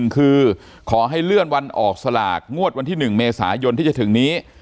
คือขอให้เลื่อนวันออกสลากงวดวันที่๑เมษายนที่จะถึงนี้